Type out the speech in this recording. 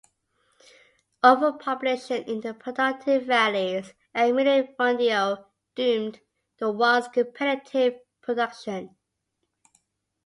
Overpopulation in the productive valleys and "minifundio" doomed the once competitive production.